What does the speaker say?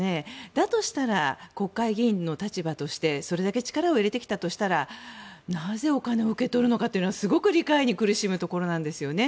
だとしたら国会議員の立場としてそれだけ力を入れてきたとしたらなぜお金を受け取るのかはすごく理解に苦しむんですね。